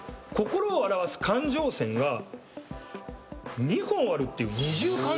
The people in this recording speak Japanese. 心を表す感情線が２本あるっていう二重感情線。